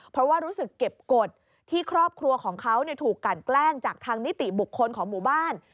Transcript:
เพราะว่ารู้สึกเก็บกฎที่ครอบครัวของเขาถูกกันแกล้งจากทางนิติบุคคลของหมู่บ้าน